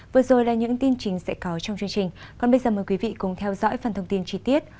vừa rồi là những tin chính sẽ có trong chương trình còn bây giờ mời quý vị cùng theo dõi phần thông tin chi tiết